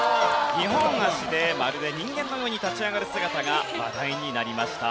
二本脚でまるで人間のように立ち上がる姿が話題になりました。